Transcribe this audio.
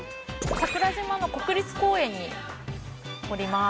桜島の国立公園におります。